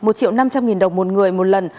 một triệu năm trăm linh nghìn đồng một người một lần